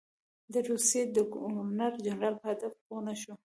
د روسیې د ګورنر جنرال په هدف پوه نه شو.